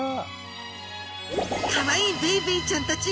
かわいいベイビーちゃんたち